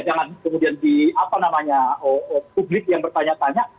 jangan kemudian di publik yang bertanya tanya